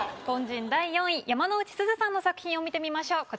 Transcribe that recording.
凡人第４位山之内すずさんの作品を見てみましょう。